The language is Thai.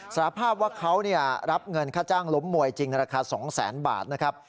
สารภาพว่าเขารับเงินค่าจ้างล้มมวยจริงราคา๒๐๐๐๐บาทนะครับ